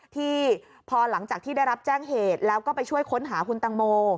ที่พอหลังจากที่ได้รับแจ้งเหตุแล้วก็ไปช่วยค้นหาคุณตังโม